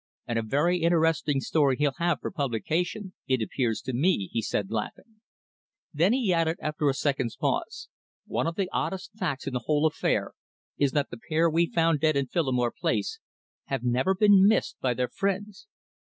"And a very interesting story he'll have for publication, it appears to me," he said, laughing. Then he added after a second's pause, "One of the oddest facts in the whole affair is that the pair we found dead in Phillimore Place have never been missed by their friends."